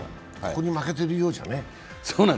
ここに負けてるようじゃね。